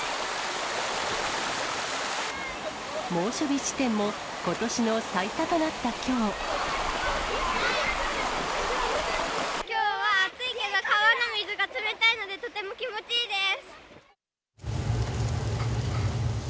猛暑日地点も、ことしの最多となきょうは暑いけど、川の水が冷たいので、とても気持ちいいです。